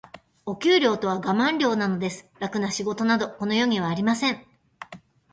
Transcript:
お給料とはガマン料なのです。楽な仕事など、この世にはありません。